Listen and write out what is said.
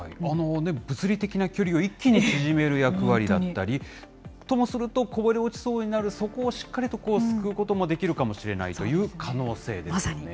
物理的な距離を一気に縮める役割だったり、ともするとこぼれ落ちそうになる、そこをしっかりと救うこともできるかもしれないという可能性ですよね。